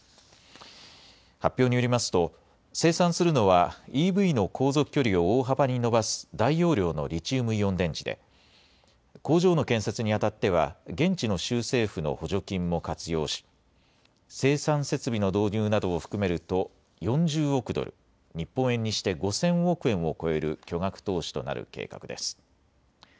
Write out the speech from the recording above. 発表によりますと生産するのはＥＶの航続距離を大幅に伸ばす大容量のリチウムイオン電池で工場の建設にあたっては現地の州政府の補助金も活用し、生産設備の導入などを含めると４０億ドル、日本円にして５０００億円を超える巨額投資となる計画です。